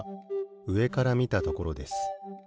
うえからみたところです。